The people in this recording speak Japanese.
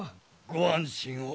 ご安心を。